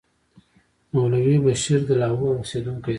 مولوي بشیر د لاهور اوسېدونکی دی.